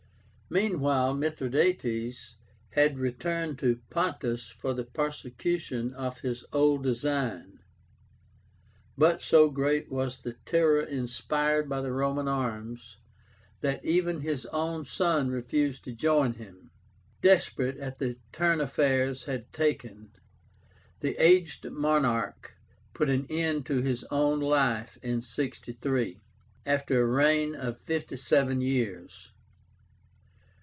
Meanwhile Mithradátes had returned to Pontus for the prosecution of his old design; but so great was the terror inspired by the Roman arms, that even his own son refused to join him. Desperate at the turn affairs had taken, the aged monarch put an end to his own life in 63, after a reign of fifty seven years.